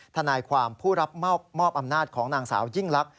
ทนายความผู้รับมอบอำนาจของนางสาวยิ่งลักษ